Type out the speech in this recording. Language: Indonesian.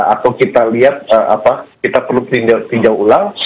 atau kita lihat apa kita perlu pinjau ulang